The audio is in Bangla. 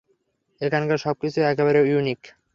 এখানাকার সব কিছু একেবারে ইউনিক।